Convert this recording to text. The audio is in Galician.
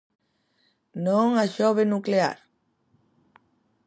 'Non a Xove Nuclear!'